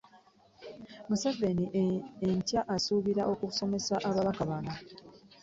Museveni enkya asuubirwa okusomesa ababaka bano